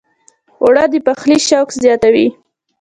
اوړه د پخلي شوق زیاتوي